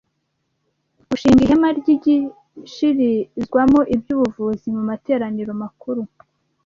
Gushinga Ihema Ryigishirizwamo iby’Ubuvuzi mu Materaniro Makuru